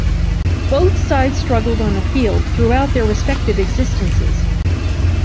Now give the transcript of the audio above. Both sides struggled on the field throughout their respective existences.